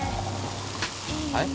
はい？